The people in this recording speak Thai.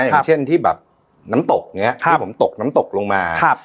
อย่างเช่นที่แบบน้ำตกเนี้ยที่ผมตกน้ำตกลงมา